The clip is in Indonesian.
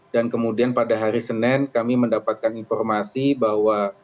dan kemudian pada hari senin kami mendapatkan informasi bahwa